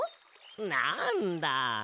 なんだ！